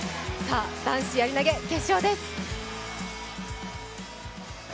男子やり投決勝です。